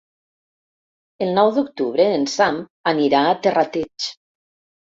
El nou d'octubre en Sam anirà a Terrateig.